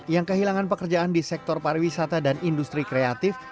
yang kehilangan pekerjaan di sektor pariwisata dan industri kreatif